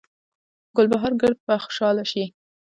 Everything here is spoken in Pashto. ګلبهاره ګړد به خوشحاله شي